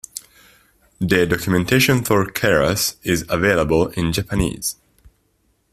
The documentation for Keras is available in Japanese.